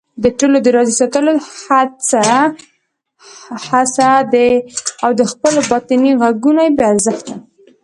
د ټولو د راضي ساتلو حڅه او د خپلو باطني غږونو بې ارزښته